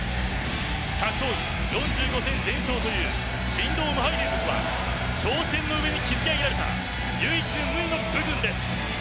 格闘技、４５戦全勝という神童の無敗伝説は挑戦の上に築き上げられた唯一無二の部分です。